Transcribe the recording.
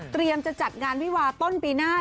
เตรียมจะจัดงานพี่วาต้นปีหน้า